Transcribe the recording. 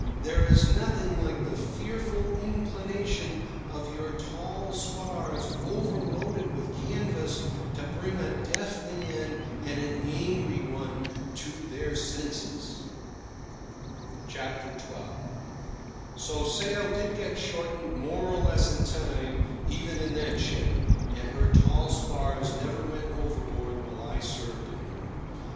There is nothing like the fearful inclination of your tall spars overloaded with canvas to bring a deaf man and an angry one to their senses. XII. So sail did get shortened more or less in time even in that ship, and her tall spars never went overboard while I served in her.